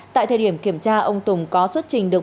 tại thời điểm kiểm tra ông tùng có xuất trình được